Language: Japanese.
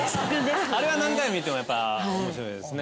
あれは何回も見てもおもしろいですね。